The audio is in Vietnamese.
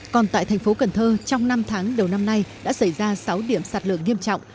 còn tại thành phố cần thơ trong năm tháng đầu năm nay đã xảy ra sáu điểm sạt lở nghiêm trọng